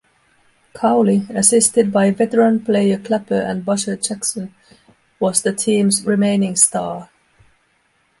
Cowley, assisted by veteran player Clapper and Busher Jackson, was the team's remaining star.